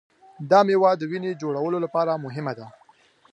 دا مېوه د وینې جوړولو لپاره مهمه ده.